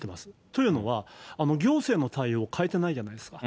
というのは、行政の対応を変えてないじゃないですか。